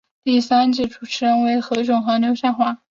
第三季主持人为何炅和刘宪华。